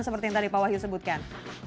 seperti yang tadi pak wahyu sebutkan